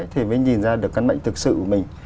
thì mới nhìn ra được căn bệnh thực sự của mình